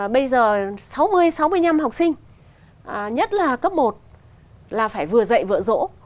bây giờ sáu mươi sáu mươi năm học sinh nhất là cấp một là phải vừa dạy vừa rỗ